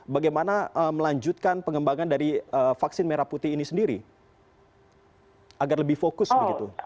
bagaimana melanjutkan pengembangan dari vaksin merah putih ini sendiri agar lebih fokus begitu